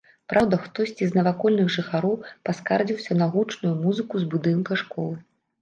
Праўда, хтосьці з навакольных жыхароў паскардзіўся на гучную музыку з будынка школы.